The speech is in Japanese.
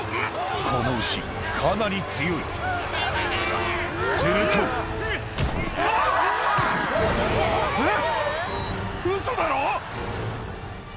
この牛かなり強いするとえっ⁉